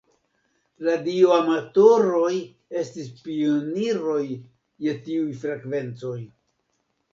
Radioamatoroj estis pioniroj je tiuj frekvencoj.